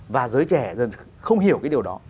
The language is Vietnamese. và giới trẻ dần không hiểu cái điều đó